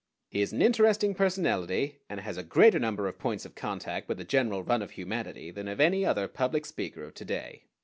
He is an interesting personality, and has a greater number of points of contact with the general run of humanity than any other public speaker of to day.